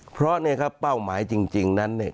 เพราะเนี่ยครับเป้าหมายจริงนั้นเนี่ย